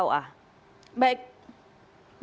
baik baik putri